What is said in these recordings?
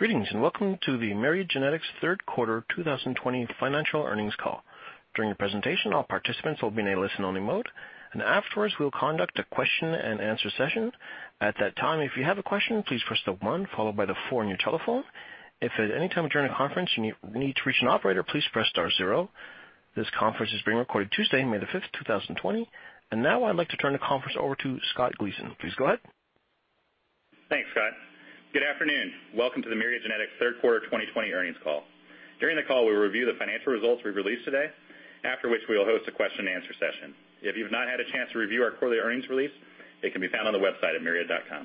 Greetings, welcome to the Myriad Genetics third quarter 2020 financial earnings call. During the presentation, all participants will be in a listen-only mode, and afterwards, we'll conduct a Q&A session. At that time, if you have a question, please press the one followed by the four on your telephone. If at any time during the conference you need to reach an operator, please press star zero. This conference is being recorded Tuesday, May the 5th, 2020. Now I'd like to turn the conference over to Scott Gleason. Please go ahead. Thanks, Scott. Good afternoon. Welcome to the Myriad Genetics third quarter 2020 earnings call. During the call, we'll review the financial results we've released today, after which we will host a Q&A session. If you've not had a chance to review our quarterly earnings release, it can be found on the website at myriad.com.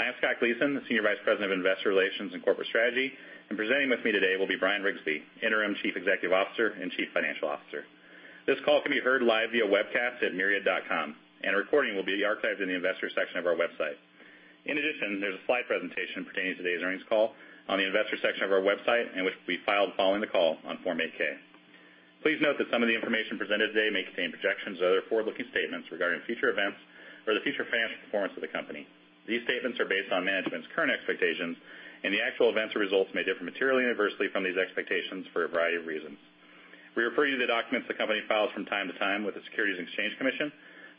I am Scott Gleason, the Senior Vice President of Investor Relations and Corporate Strategy, and presenting with me today will be Bryan Riggsbee, Interim Chief Executive Officer and Chief Financial Officer. This call can be heard live via webcast at myriad.com, and a recording will be archived in the investors section of our website. In addition, there's a slide presentation pertaining to today's earnings call on the investors section of our website, and which will be filed following the call on Form 8-K. Please note that some of the information presented today may contain projections or other forward-looking statements regarding future events or the future financial performance of the company. These statements are based on management's current expectations, and the actual events or results may differ materially adversely from these expectations for a variety of reasons. We refer you to documents the company files from time to time with the Securities and Exchange Commission,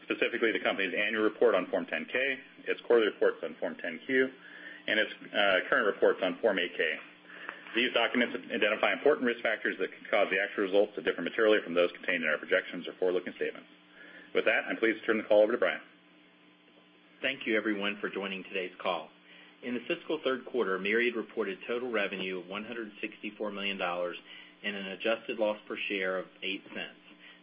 specifically the company's annual report on Form 10-K, its quarterly reports on Form 10-Q, and its current reports on Form 8-K. These documents identify important risk factors that could cause the actual results to differ materially from those contained in our projections or forward-looking statements. With that, I'm pleased to turn the call over to Bryan. Thank you, everyone, for joining today's call. In the fiscal third quarter, Myriad reported total revenue of $164 million and an adjusted loss per share of $0.08.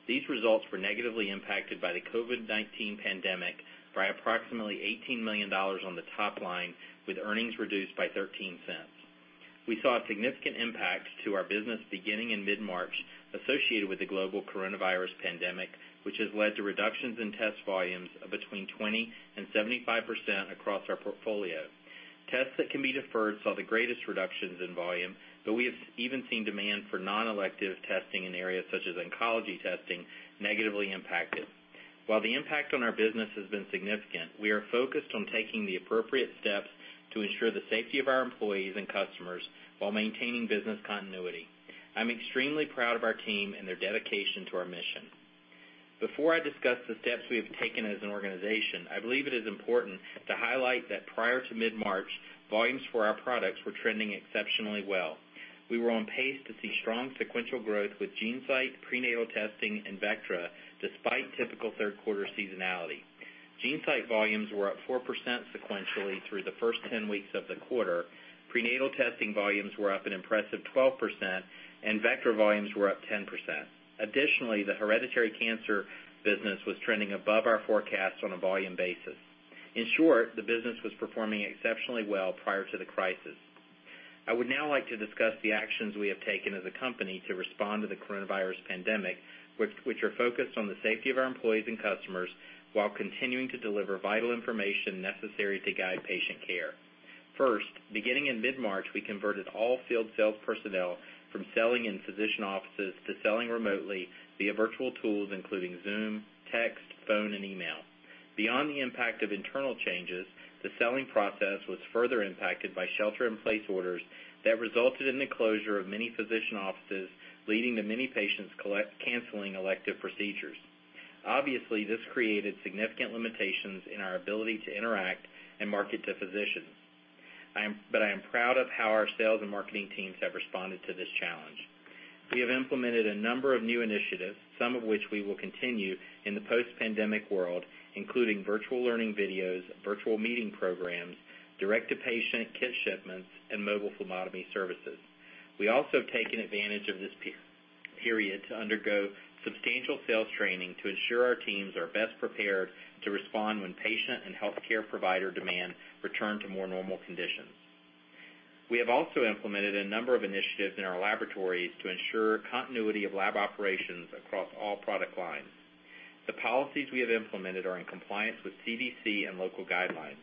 These results were negatively impacted by the COVID-19 pandemic by approximately $18 million on the top line, with earnings reduced by $0.13. We saw significant impacts to our business beginning in mid-March associated with the global coronavirus pandemic, which has led to reductions in test volumes of between 20% and 75% across our portfolio. Tests that can be deferred saw the greatest reductions in volume, though we have even seen demand for non-elective testing in areas such as oncology testing negatively impacted. While the impact on our business has been significant, we are focused on taking the appropriate steps to ensure the safety of our employees and customers while maintaining business continuity. I'm extremely proud of our team and their dedication to our mission. Before I discuss the steps we have taken as an organization, I believe it is important to highlight that prior to mid-March, volumes for our products were trending exceptionally well. We were on pace to see strong sequential growth with GeneSight, prenatal testing, and Vectra, despite typical third quarter seasonality. GeneSight volumes were up 4% sequentially through the first 10 weeks of the quarter, prenatal testing volumes were up an impressive 12%, and Vectra volumes were up 10%. Additionally, the hereditary cancer business was trending above our forecast on a volume basis. In short, the business was performing exceptionally well prior to the crisis. I would now like to discuss the actions we have taken as a company to respond to the coronavirus pandemic, which are focused on the safety of our employees and customers while continuing to deliver vital information necessary to guide patient care. First, beginning in mid-March, we converted all field sales personnel from selling in physician offices to selling remotely via virtual tools, including Zoom, text, phone, and email. Beyond the impact of internal changes, the selling process was further impacted by shelter in place orders that resulted in the closure of many physician offices, leading to many patients canceling elective procedures. Obviously, this created significant limitations in our ability to interact and market to physicians. I am proud of how our sales and marketing teams have responded to this challenge. We have implemented a number of new initiatives, some of which we will continue in the post-pandemic world, including virtual learning videos, virtual meeting programs, direct-to-patient kit shipments, and mobile phlebotomy services. We have taken advantage of this period to undergo substantial sales training to ensure our teams are best prepared to respond when patient and healthcare provider demand return to more normal conditions. We have implemented a number of initiatives in our laboratories to ensure continuity of lab operations across all product lines. The policies we have implemented are in compliance with CDC and local guidelines.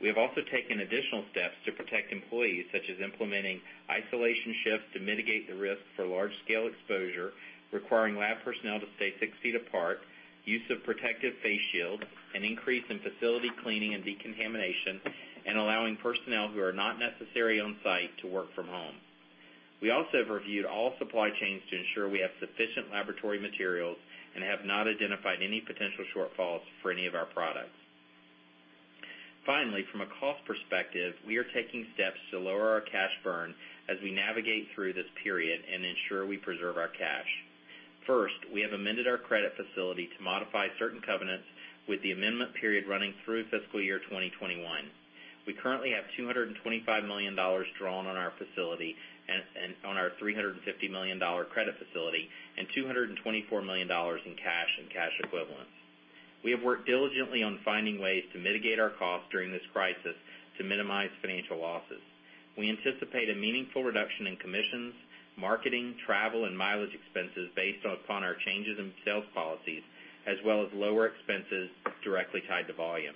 We have also taken additional steps to protect employees, such as implementing isolation shifts to mitigate the risk for large-scale exposure, requiring lab personnel to stay six feet apart, use of protective face shields, an increase in facility cleaning and decontamination, and allowing personnel who are not necessary on-site to work from home. We also have reviewed all supply chains to ensure we have sufficient laboratory materials and have not identified any potential shortfalls for any of our products. Finally, from a cost perspective, we are taking steps to lower our cash burn as we navigate through this period and ensure we preserve our cash. First, we have amended our credit facility to modify certain covenants with the amendment period running through fiscal year 2021. We currently have $225 million drawn on our $350 million credit facility and $224 million in cash and cash equivalents. We have worked diligently on finding ways to mitigate our costs during this crisis to minimize financial losses. We anticipate a meaningful reduction in commissions, marketing, travel, and mileage expenses based upon our changes in sales policies, as well as lower expenses directly tied to volume.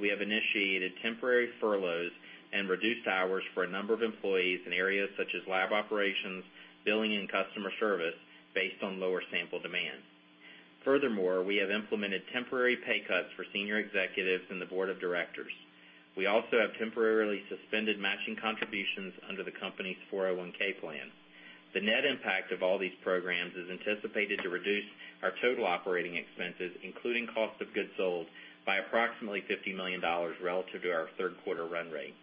We have initiated temporary furloughs and reduced hours for a number of employees in areas such as lab operations, billing, and customer service based on lower sample demand. We have implemented temporary pay cuts for senior executives and the board of directors. We also have temporarily suspended matching contributions under the company's 401(k) plan. The net impact of all these programs is anticipated to reduce our total operating expenses, including cost of goods sold by approximately $50 million relative to our third quarter run rate.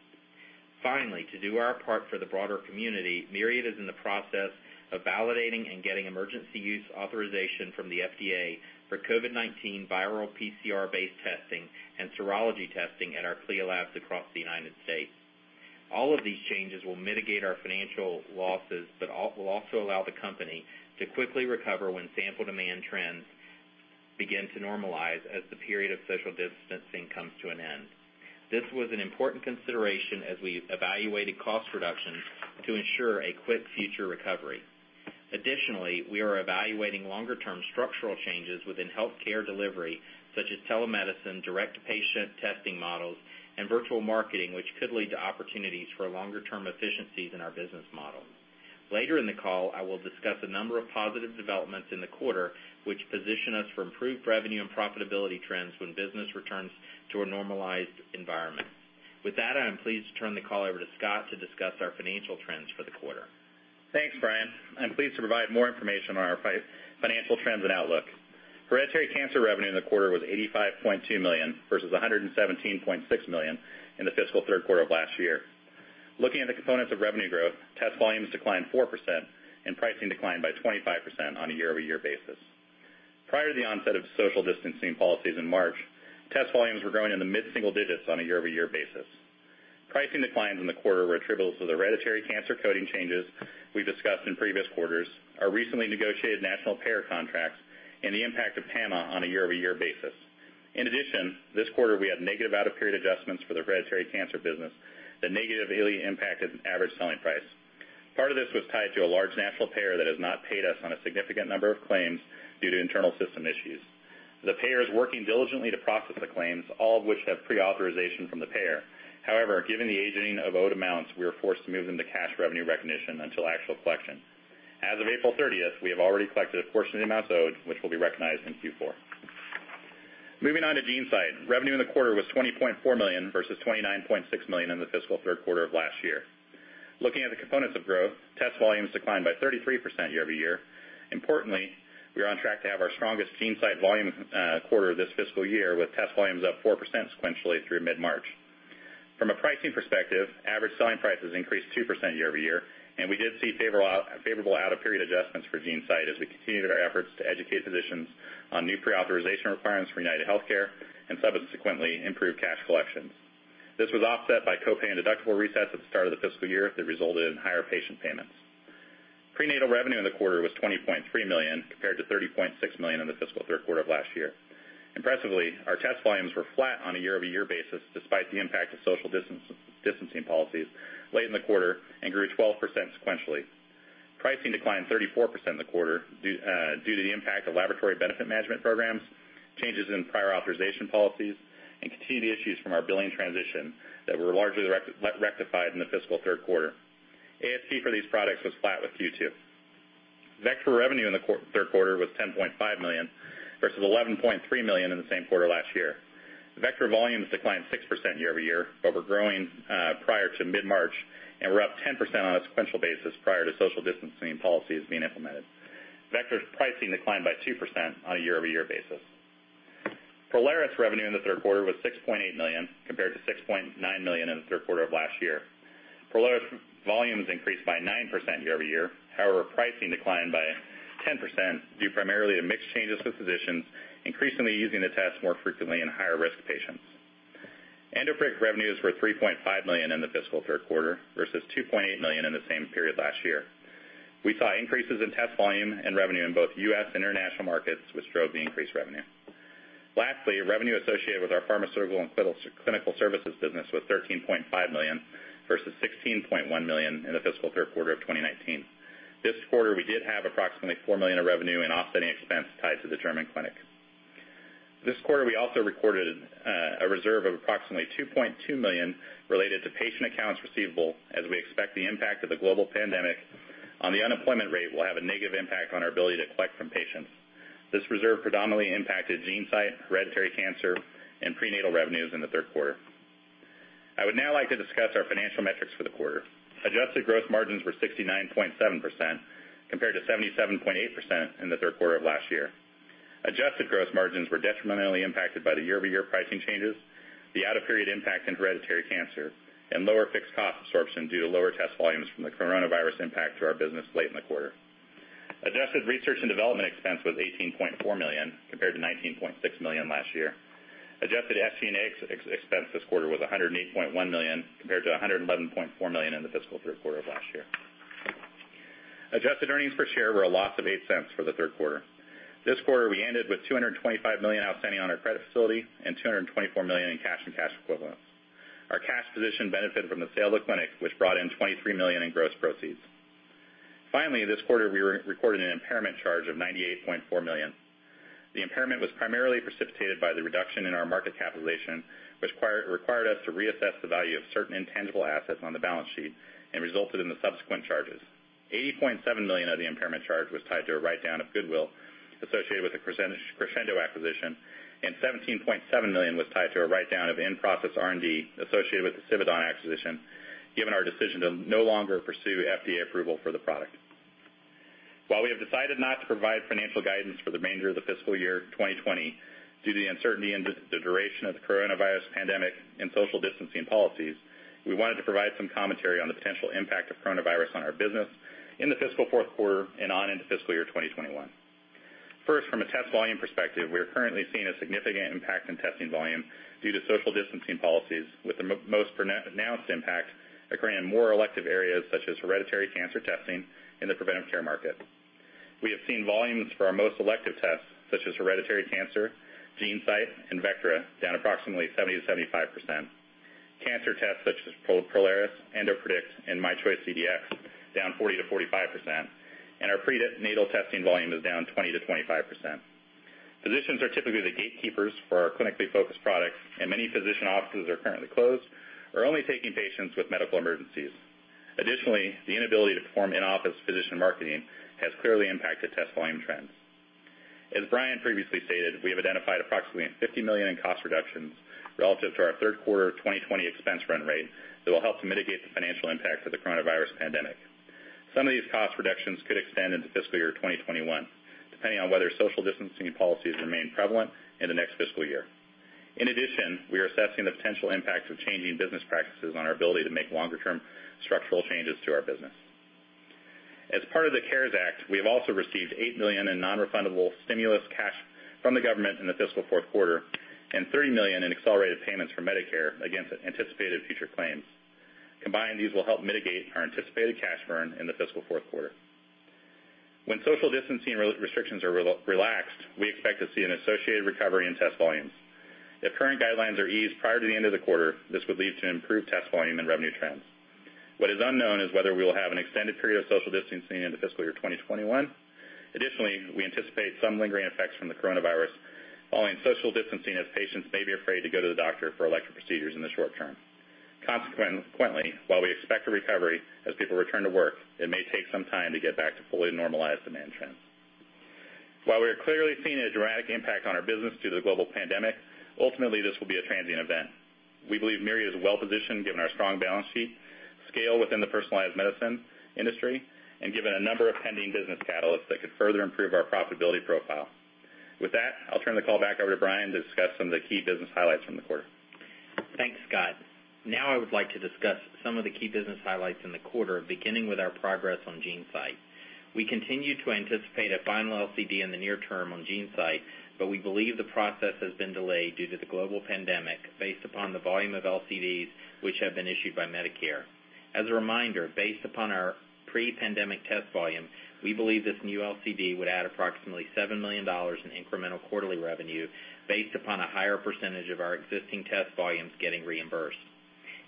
Finally, to do our part for the broader community, Myriad is in the process of validating and getting emergency use authorization from the FDA for COVID-19 viral PCR-based testing and serology testing at our CLIA labs across the United States. All of these changes will mitigate our financial losses, but will also allow the company to quickly recover when sample demand trends begin to normalize as the period of social distancing comes to an end. This was an important consideration as we evaluated cost reductions to ensure a quick future recovery. We are evaluating longer term structural changes within healthcare delivery, such as telemedicine, direct patient testing models, and virtual marketing, which could lead to opportunities for longer term efficiencies in our business model. Later in the call, I will discuss a number of positive developments in the quarter, which position us for improved revenue and profitability trends when business returns to a normalized environment. With that, I am pleased to turn the call over to Scott to discuss our financial trends for the quarter. Thanks, Bryan. I'm pleased to provide more information on our financial trends and outlook. Hereditary cancer revenue in the quarter was $85.2 million, versus $117.6 million in the fiscal third quarter of last year. Looking at the components of revenue growth, test volumes declined 4% and pricing declined by 25% on a year-over-year basis. Prior to the onset of social distancing policies in March, test volumes were growing in the mid-single digits on a year-over-year basis. Pricing declines in the quarter were attributable to the hereditary cancer coding changes we discussed in previous quarters, our recently negotiated national payer contracts, and the impact of PAMA on a year-over-year basis. In addition, this quarter, we had negative out-of-period adjustments for the hereditary cancer business that negatively impacted average selling price. Part of this was tied to a large national payer that has not paid us on a significant number of claims due to internal system issues. The payer is working diligently to process the claims, all of which have pre-authorization from the payer. However, given the aging of owed amounts, we were forced to move them to cash revenue recognition until actual collection. As of April 30th, we have already collected a portion of the amounts owed, which will be recognized in Q4. Moving on to GeneSight. Revenue in the quarter was $20.4 million versus $29.6 million in the fiscal third quarter of last year. Looking at the components of growth, test volumes declined by 33% year-over-year. Importantly, we are on track to have our strongest GeneSight volume quarter this fiscal year with test volumes up 4% sequentially through mid-March. From a pricing perspective, average selling prices increased 2% year-over-year, and we did see favorable out-of-period adjustments for GeneSight as we continued our efforts to educate physicians on new pre-authorization requirements for UnitedHealthcare and subsequently improved cash collections. This was offset by co-pay and deductible resets at the start of the fiscal year that resulted in higher patient payments. Prenatal revenue in the quarter was $20.3 million compared to $30.6 million in the fiscal third quarter of last year. Impressively, our test volumes were flat on a year-over-year basis, despite the impact of social distancing policies late in the quarter and grew 12% sequentially. Pricing declined 34% in the quarter due to the impact of laboratory benefit management programs, changes in prior authorization policies, and continued issues from our billing transition that were largely rectified in the fiscal third quarter. ASP for these products was flat with Q2. Vectra revenue in the third quarter was $10.5 million, versus $11.3 million in the same quarter last year. The Vectra volumes declined 6% year-over-year, but were growing, prior to mid-March, and were up 10% on a sequential basis prior to social distancing policies being implemented. Vectra's pricing declined by 2% on a year-over-year basis. Prolaris revenue in the third quarter was $6.8 million compared to $6.9 million in the third quarter of last year. Prolaris volumes increased by 9% year-over-year. However, pricing declined by 10% due primarily to mix changes with physicians increasingly using the test more frequently in higher risk patients. EndoPredict revenues were $3.5 million in the fiscal third quarter versus $2.8 million in the same period last year. We saw increases in test volume and revenue in both U.S. and international markets, which drove the increased revenue. Lastly, revenue associated with our pharmaceutical and clinical services business was $13.5 million versus $16.1 million in the fiscal third quarter of 2019. This quarter, we did have approximately $4 million of revenue in offsetting expense tied to the German clinic. This quarter, we also recorded a reserve of approximately $2.2 million related to patient accounts receivable, as we expect the impact of the global pandemic on the unemployment rate will have a negative impact on our ability to collect from patients. This reserve predominantly impacted GeneSight, hereditary cancer, and prenatal revenues in the third quarter. I would now like to discuss our financial metrics for the quarter. Adjusted gross margins were 69.7% compared to 77.8% in the third quarter of last year. Adjusted gross margins were detrimentally impacted by the year-over-year pricing changes, the out-of-period impact in hereditary cancer, and lower fixed cost absorption due to lower test volumes from the coronavirus impact to our business late in the quarter. Adjusted research and development expense was $18.4 million compared to $19.6 million last year. Adjusted SG&A expense this quarter was $108.1 million compared to $111.4 million in the fiscal third quarter of last year. Adjusted earnings per share were a loss of $0.08 for the third quarter. This quarter we ended with $225 million outstanding on our credit facility and $224 million in cash and cash equivalents. Our cash position benefited from the sale of the clinic, which brought in $23 million in gross proceeds. Finally, this quarter, we recorded an an impairment charge of $98.4 million. The impairment was primarily precipitated by the reduction in our market capitalization, which required us to reassess the value of certain intangible assets on the balance sheet and resulted in the subsequent charges. $80.7 million of the impairment charge was tied to a write-down of goodwill associated with the Crescendo acquisition, and $17.7 million was tied to a write-down of in-process R&D associated with the Sividon acquisition, given our decision to no longer pursue FDA approval for the product. While we have decided not to provide financial guidance for the remainder of the fiscal year 2020 due to the uncertainty and the duration of the coronavirus pandemic and social distancing policies, we wanted to provide some commentary on the potential impact of coronavirus on our business in the fiscal fourth quarter and on into fiscal year 2021. First, from a test volume perspective, we are currently seeing a significant impact in testing volume due to social distancing policies, with the most pronounced impact occurring in more elective areas such as hereditary cancer testing in the preventive care market. We have seen volumes for our most elective tests, such as hereditary cancer, GeneSight, and Vectra, down approximately 70%-75%. Cancer tests such as Prolaris, EndoPredict, and myChoice CDx down 40%-45%, and our prenatal testing volume is down 20%-25%. Physicians are typically the gatekeepers for our clinically focused products, and many physician offices are currently closed or only taking patients with medical emergencies. Additionally, the inability to perform in-office physician marketing has clearly impacted test volume trends. As Bryan previously stated, we have identified approximately $50 million in cost reductions relative to our third quarter 2020 expense run rate that will help to mitigate the financial impact of the coronavirus pandemic. Some of these cost reductions could extend into fiscal year 2021, depending on whether social distancing policies remain prevalent in the next fiscal year. We are assessing the potential impacts of changing business practices on our ability to make longer-term structural changes to our business. As part of the CARES Act, we have also received $8 million in non-refundable stimulus cash from the government in the fiscal fourth quarter and $30 million in accelerated payments from Medicare against anticipated future claims. These will help mitigate our anticipated cash burn in the fiscal fourth quarter. When social distancing restrictions are relaxed, we expect to see an associated recovery in test volumes. If current guidelines are eased prior to the end of the quarter, this would lead to improved test volume and revenue trends. What is unknown is whether we will have an extended period of social distancing into fiscal year 2021. We anticipate some lingering effects from the coronavirus following social distancing as patients may be afraid to go to the doctor for elective procedures in the short term. While we expect a recovery as people return to work, it may take some time to get back to fully normalized demand trends. We are clearly seeing a dramatic impact on our business due to the global pandemic, ultimately, this will be a transient event. We believe Myriad is well-positioned given our strong balance sheet, scale within the personalized medicine industry, and given a number of pending business catalysts that could further improve our profitability profile. With that, I'll turn the call back over to Bryan to discuss some of the key business highlights from the quarter. I would like to discuss some of the key business highlights in the quarter, beginning with our progress on GeneSight. We continue to anticipate a final LCD in the near term on GeneSight. We believe the process has been delayed due to the global pandemic based upon the volume of LCDs which have been issued by Medicare. As a reminder, based upon our pre-pandemic test volume, we believe this new LCD would add approximately $7 million in incremental quarterly revenue based upon a higher % of our existing test volumes getting reimbursed.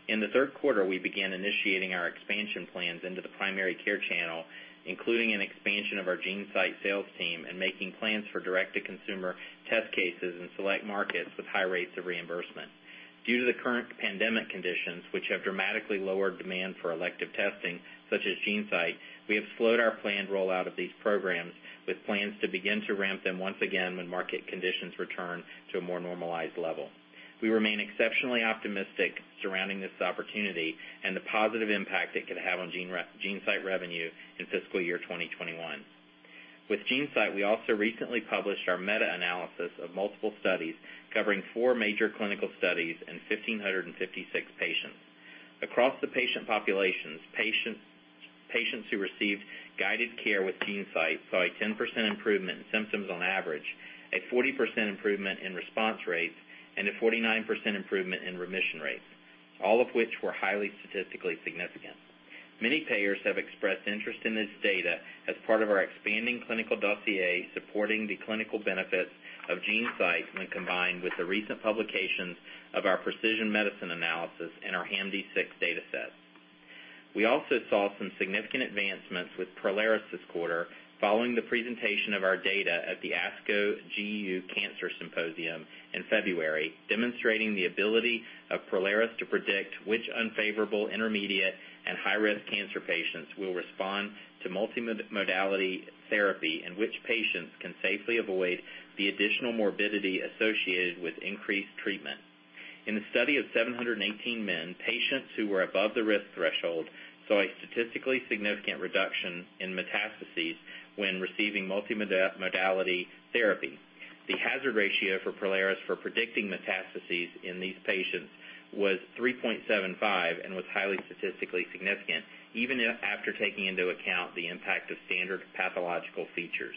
In the third quarter, we began initiating our expansion plans into the primary care channel, including an expansion of our GeneSight sales team and making plans for direct-to-consumer test cases in select markets with high rates of reimbursement. Due to the current pandemic conditions, which have dramatically lowered demand for elective testing such as GeneSight, we have slowed our planned rollout of these programs with plans to begin to ramp them once again when market conditions return to a more normalized level. We remain exceptionally optimistic surrounding this opportunity and the positive impact it could have on GeneSight revenue in fiscal year 2021. With GeneSight, we also recently published our meta-analysis of multiple studies covering four major clinical studies and 1,556 patients. Across the patient populations, patients who received guided care with GeneSight saw a 10% improvement in symptoms on average, a 40% improvement in response rates, and a 49% improvement in remission rates, all of which were highly statistically significant. Many payers have expressed interest in this data as part of our expanding clinical dossier supporting the clinical benefits of GeneSight when combined with the recent publications of our precision medicine analysis and our HAMD-6 data sets. We also saw some significant advancements with Prolaris this quarter following the presentation of our data at the ASCO Genitourinary Cancers Symposium in February, demonstrating the ability of Prolaris to predict which unfavorable, intermediate, and high-risk cancer patients will respond to multimodality therapy and which patients can safely avoid the additional morbidity associated with increased treatment. In the study of 718 men, patients who were above the risk threshold saw a statistically significant reduction in metastases when receiving multimodality therapy. The hazard ratio for Prolaris for predicting metastases in these patients was 3.75 and was highly statistically significant, even after taking into account the impact of standard pathological features.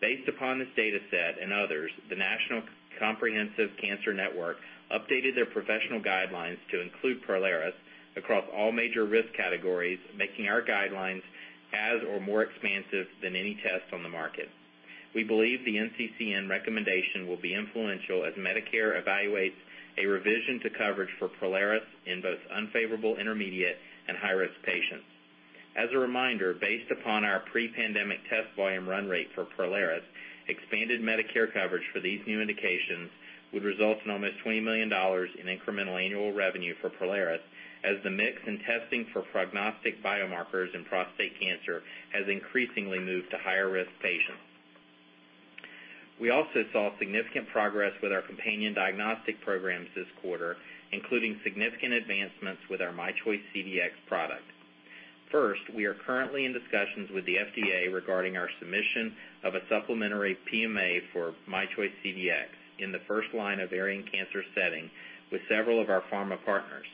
Based upon this data set and others, the National Comprehensive Cancer Network updated their professional guidelines to include Prolaris across all major risk categories, making our guidelines as or more expansive than any test on the market. We believe the NCCN recommendation will be influential as Medicare evaluates a revision to coverage for Prolaris in both unfavorable, intermediate, and high-risk patients. As a reminder, based upon our pre-pandemic test volume run rate for Prolaris, expanded Medicare coverage for these new indications would result in almost $20 million in incremental annual revenue for Prolaris as the mix in testing for prognostic biomarkers in prostate cancer has increasingly moved to higher-risk patients. We also saw significant progress with our companion diagnostic programs this quarter, including significant advancements with our myChoice CDx product. First, we are currently in discussions with the FDA regarding our submission of a supplementary PMA for myChoice CDx in the first line of ovarian cancer setting with several of our pharma partners.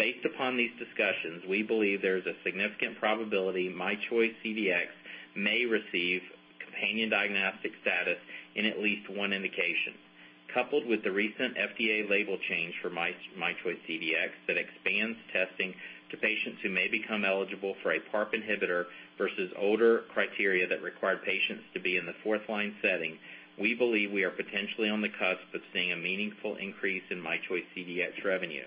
Based upon these discussions, we believe there is a significant probability myChoice CDx may receive companion diagnostic status in at least one indication. Coupled with the recent FDA label change for myChoice CDx that expands testing to patients who may become eligible for a PARP inhibitor versus older criteria that required patients to be in the fourth-line setting, we believe we are potentially on the cusp of seeing a meaningful increase in myChoice CDx revenue.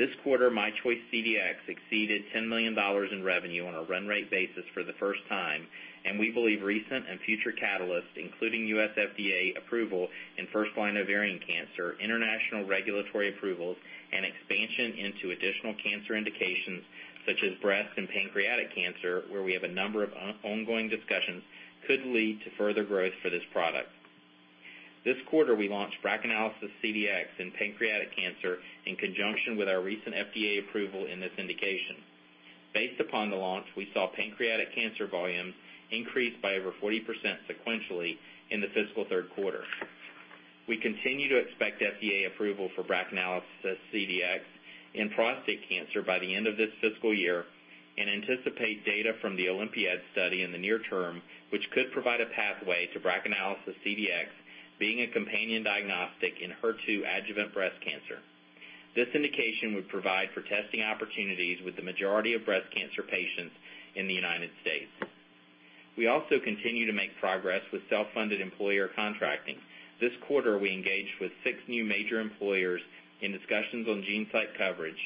This quarter, myChoice CDx exceeded $10 million in revenue on a run rate basis for the first time, and we believe recent and future catalysts, including U.S. FDA approval in first-line ovarian cancer, international regulatory approvals, and expansion into additional cancer indications such as breast and pancreatic cancer, where we have a number of ongoing discussions, could lead to further growth for this product. This quarter, we launched BRACAnalysis CDx in pancreatic cancer in conjunction with our recent FDA approval in this indication. Based upon the launch, we saw pancreatic cancer volumes increase by over 40% sequentially in the fiscal third quarter. We continue to expect FDA approval for BRACAnalysis CDx in prostate cancer by the end of this fiscal year and anticipate data from the OlympiAD study in the near term, which could provide a pathway to BRACAnalysis CDx being a companion diagnostic in HER2 adjuvant breast cancer. This indication would provide for testing opportunities with the majority of breast cancer patients in the U.S. We also continue to make progress with self-funded employer contracting. This quarter, we engaged with six new major employers in discussions on GeneSight coverage.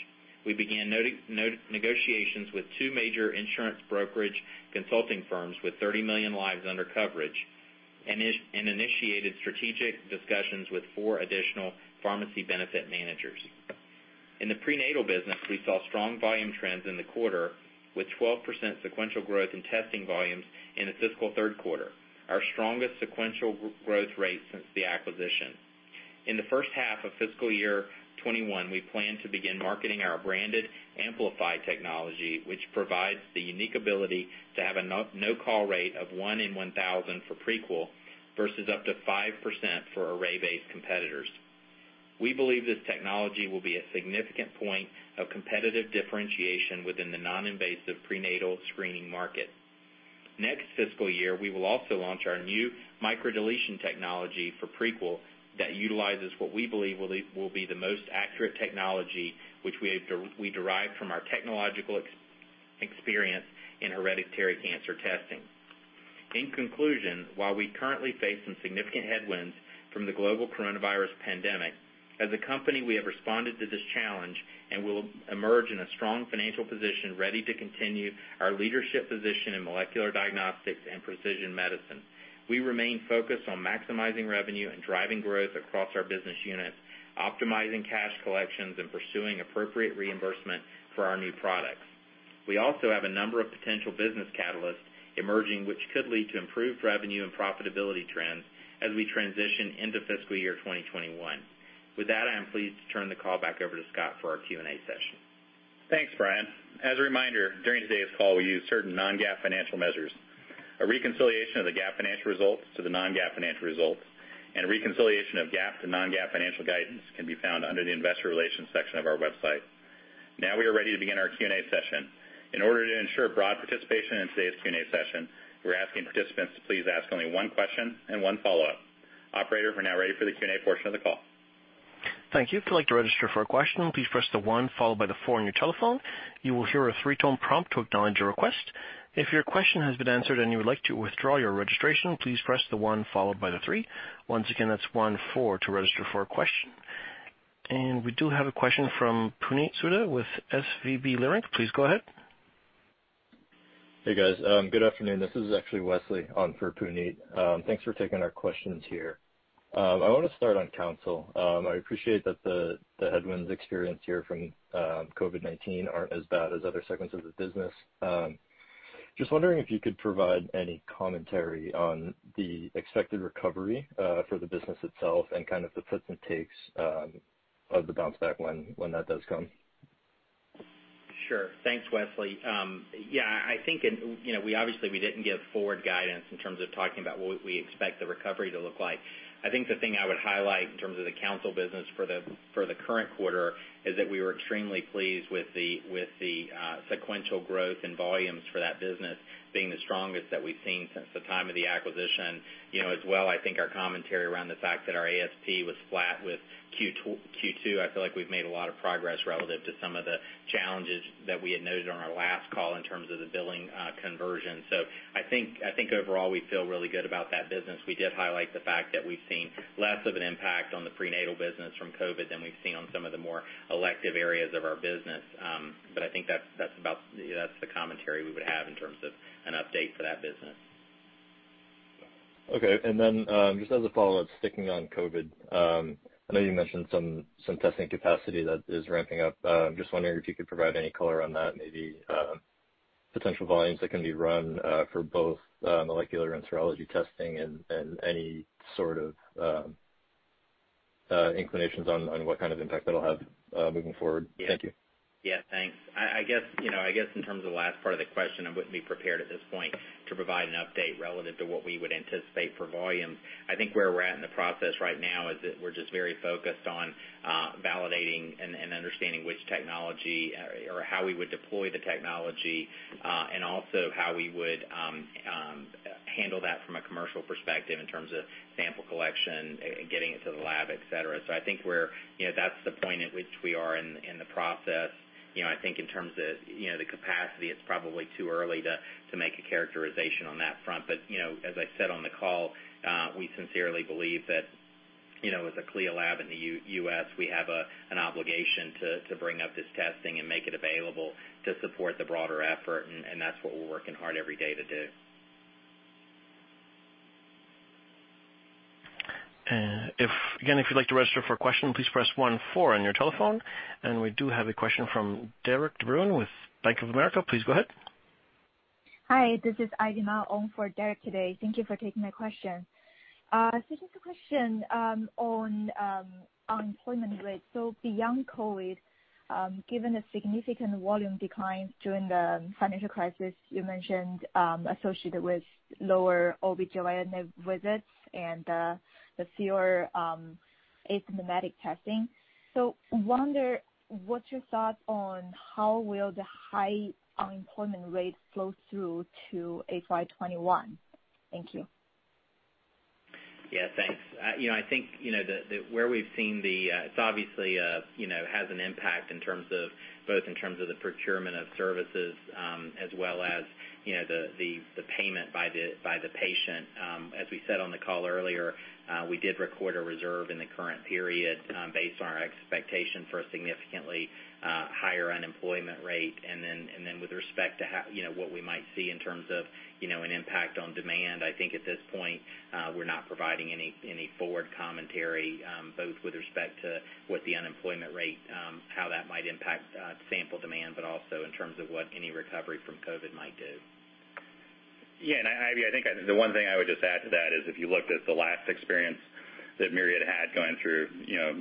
We began negotiations with two major insurance brokerage consulting firms with 30 million lives under coverage and initiated strategic discussions with four additional pharmacy benefit managers. In the prenatal business, we saw strong volume trends in the quarter, with 12% sequential growth in testing volumes in the fiscal third quarter, our strongest sequential growth rate since the acquisition. In the first half of fiscal year 2021, we plan to begin marketing our branded AMPLIFY technology, which provides the unique ability to have a no-call rate of one in 1,000 for Prequel versus up to 5% for array-based competitors. We believe this technology will be a significant point of competitive differentiation within the non-invasive prenatal screening market. Next fiscal year, we will also launch our new microdeletion technology for Prequel that utilizes what we believe will be the most accurate technology, which we derived from our technological experience in hereditary cancer testing. In conclusion, while we currently face some significant headwinds from the global coronavirus pandemic, as a company, we have responded to this challenge and will emerge in a strong financial position, ready to continue our leadership position in molecular diagnostics and precision medicine. We remain focused on maximizing revenue and driving growth across our business units, optimizing cash collections, and pursuing appropriate reimbursement for our new products. We also have a number of potential business catalysts emerging, which could lead to improved revenue and profitability trends as we transition into fiscal year 2021. With that, I am pleased to turn the call back over to Scott for our Q&A session. Thanks, Bryan. As a reminder, during today's call, we use certain non-GAAP financial measures. A reconciliation of the GAAP financial results to the non-GAAP financial results and a reconciliation of GAAP to non-GAAP financial guidance can be found under the investor relations section of our website. Now we are ready to begin our Q&A session. In order to ensure broad participation in today's Q&A session, we're asking participants to please ask only one question and one follow-up. Operator, we're now ready for the Q&A portion of the call. Thank you. If you'd like to register for a question, please press the one followed by the four on your telephone. You will hear a three-tone prompt to acknowledge your request. If your question has been answered and you would like to withdraw your registration, please press the one followed by the three. Once again, that's one four to register for a question. We do have a question from Puneet Souda with SVB Leerink. Please go ahead. Hey, guys. Good afternoon. This is actually Westley on for Puneet. Thanks for taking our questions here. I want to start on Counsyl. I appreciate that the headwinds experienced here from COVID-19 aren't as bad as other segments of the business. Just wondering if you could provide any commentary on the expected recovery for the business itself and kind of the puts and takes of the bounce back when that does come. Sure. Thanks, Westley. Yeah, I think, obviously, we didn't give forward guidance in terms of talking about what we expect the recovery to look like. I think the thing I would highlight in terms of the Counsyl business for the current quarter is that we were extremely pleased with the sequential growth in volumes for that business being the strongest that we've seen since the time of the acquisition. As well, I think our commentary around the fact that our ASP was flat with Q2, I feel like we've made a lot of progress relative to some of the challenges that we had noted on our last call in terms of the billing conversion. I think overall, we feel really good about that business. We did highlight the fact that we've seen less of an impact on the prenatal business from COVID than we've seen on some of the more elective areas of our business. I think that's the commentary we would have in terms of an update for that business. Okay. Just as a follow-up, sticking on COVID, I know you mentioned some testing capacity that is ramping up. Just wondering if you could provide any color on that maybe potential volumes that can be run for both molecular and serology testing, and any sort of inclinations on what kind of impact that'll have moving forward. Thank you. Yeah, thanks. I guess in terms of the last part of the question, I wouldn't be prepared at this point to provide an update relative to what we would anticipate for volumes. I think where we're at in the process right now is that we're just very focused on validating and understanding which technology or how we would deploy the technology, and also how we would handle that from a commercial perspective in terms of sample collection and getting it to the lab, et cetera. I think that's the point at which we are in the process. I think in terms of the capacity, it's probably too early to make a characterization on that front. As I said on the call, we sincerely believe that as a CLIA lab in the U.S., we have an obligation to bring up this testing and make it available to support the broader effort, and that's what we're working hard every day to do. Again, if you'd like to register for a question, please press one, four on your telephone. We do have a question from Derik De Bruin with Bank of America. Please go ahead. Hi, this is Ivy Ma for Derik today. Thank you for taking my question. Just a question on unemployment rate. Beyond COVID, given the significant volume declines during the financial crisis you mentioned associated with lower OB GYN visits and the fewer asymptomatic testing. Wonder what's your thoughts on how will the high unemployment rate flow through to FY 2021? Thank you. Yeah, thanks. I think where we've seen It's obviously has an impact both in terms of the procurement of services, as well as the payment by the patient. As we said on the call earlier, we did record a reserve in the current period based on our expectation for a significantly higher unemployment rate. With respect to what we might see in terms of an impact on demand, I think at this point, we're not providing any forward commentary, both with respect to what the unemployment rate, how that might impact sample demand, but also in terms of what any recovery from COVID might do. Ivy, I think the one thing I would just add to that is if you looked at the last experience that Myriad had going through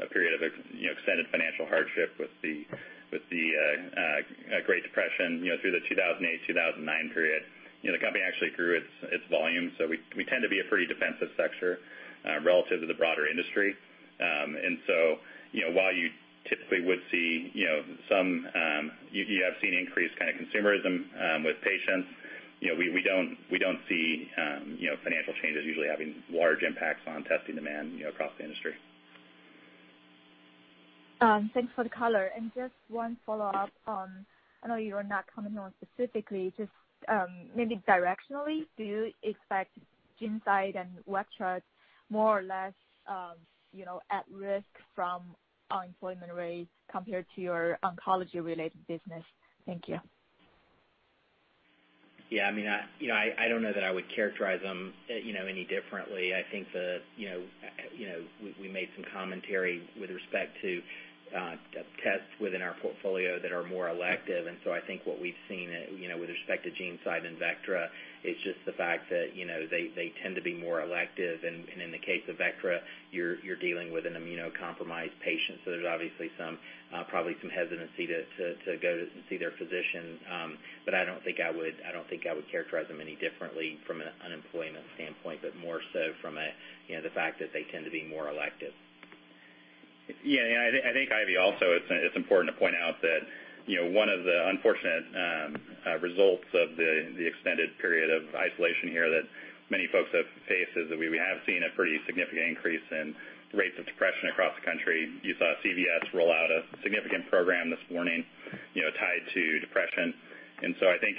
a period of extended financial hardship with the Great Recession through the 2008, 2009 period, the company actually grew its volume. We tend to be a pretty defensive sector relative to the broader industry. While you typically would see increased consumerism with patients, we don't see financial changes usually having large impacts on testing demand across the industry. Thanks for the color. Just one follow-up on, I know you are not commenting on specifically, just maybe directionally, do you expect GeneSight and Vectra more or less at risk from unemployment rates compared to your oncology-related business? Thank you. Yeah, I don't know that I would characterize them any differently. I think we made some commentary with respect to tests within our portfolio that are more elective. I think what we've seen with respect to GeneSight and Vectra, it's just the fact that they tend to be more elective, and in the case of Vectra, you're dealing with an immunocompromised patient, so there's obviously probably some hesitancy to go to see their physician. I don't think I would characterize them any differently from an unemployment standpoint, but more so from the fact that they tend to be more elective. I think Ivy, also it's important to point out that one of the unfortunate results of the extended period of isolation here that many folks have faced is that we have seen a pretty significant increase in rates of depression across the country. You saw CVS roll out a significant program this morning tied to depression. I think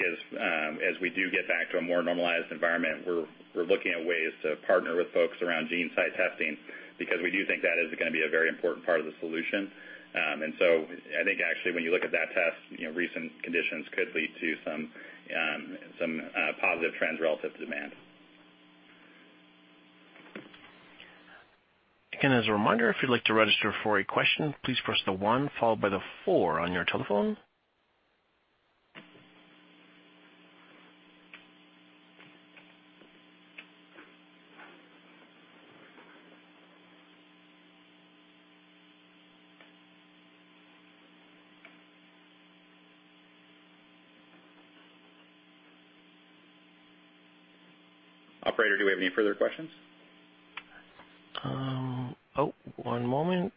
as we do get back to a more normalized environment, we're looking at ways to partner with folks around GeneSight testing because we do think that is going to be a very important part of the solution. I think actually when you look at that test, recent conditions could lead to some positive trends relative to demand. Again, as a reminder, if you'd like to register for a question, please press the one followed by the four on your telephone. Operator, do we have any further questions? One moment.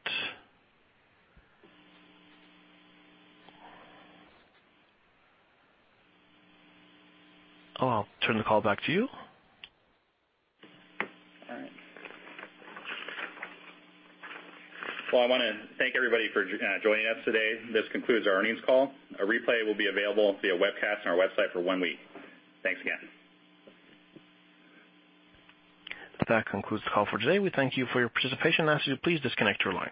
I'll turn the call back to you. All right. Well, I want to thank everybody for joining us today. This concludes our earnings call. A replay will be available via webcast on our website for one week. Thanks again. That concludes the call for today. We thank you for your participation and ask you to please disconnect your line.